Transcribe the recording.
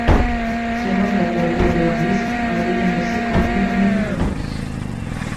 Segons la teoria dualista haurien de ser completament diferents.